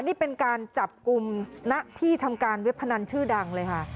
นี่เป็นการจับกลุ่มณที่ทำการเว็บพนันชื่อดังเลยค่ะ